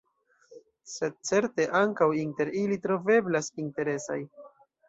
Sed, certe, ankaŭ inter ili troveblas interesaj.